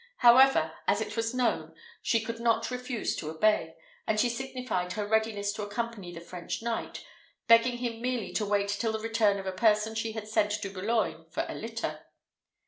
However, as it was known, she could not refuse to obey, and she signified her readiness to accompany the French knight, begging him merely to wait till the return of a person she had sent to Boulogne for a litter.